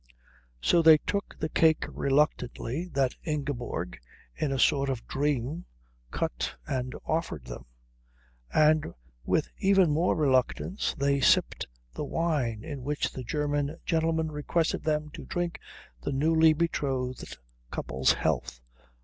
So they took the cake reluctantly that Ingeborg, in a sort of dream, cut and offered them; and with even more reluctance they sipped the wine in which the German gentleman requested them to drink the newly betrothed couple's health.